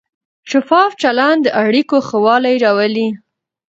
شفاف چلند د اړیکو ښه والی راولي.